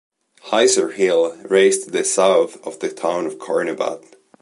Hisar Hill raise to the south of the town of Karnobat.